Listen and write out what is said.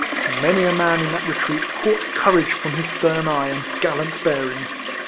Many a man in that retreat caught courage from his stern eye and gallant bearing.